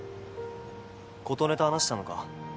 琴音と話したのか？